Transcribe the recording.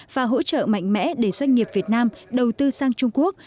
và hỗ trợ mạnh mẽ để doanh nghiệp việt nam đầu tư sang trung quốc